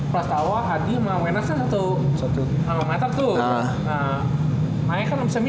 prasatawa hadi sama limanas kan satu